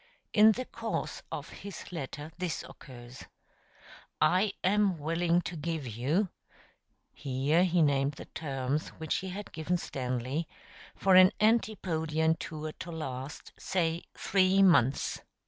In the course of his letter this occurs: "I am willing to give you" [here he named the terms which he had given Stanley] "for an antipodean tour to last, say, three months."